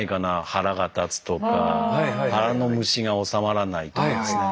腹が立つとか腹の虫が治まらないとかですね。